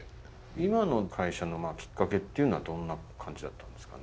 今の会社のきっかけっていうのはどんな感じだったんですかね？